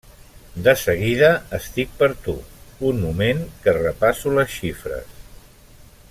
De seguida estic per tu. Un moment que repasso les xifres.